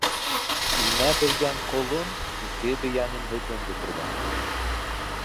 Имә белгән ҡолон ике бейәнең һөтөн бөтөргән.